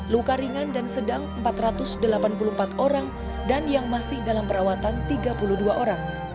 luka ringan dan sedang empat ratus delapan puluh empat orang dan yang masih dalam perawatan tiga puluh dua orang